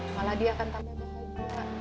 malah dia akan tambahkan kekuatan kita